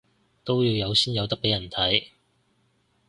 都要有先有得畀人睇